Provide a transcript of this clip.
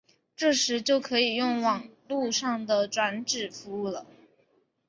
这时就可以用网路上的转址服务了。